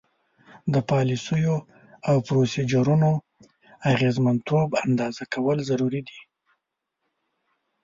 د پالیسیو او پروسیجرونو اغیزمنتوب اندازه کول ضروري دي.